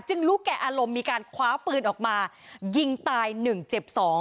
รู้แก่อารมณ์มีการคว้าปืนออกมายิงตาย๑เจ็บ๒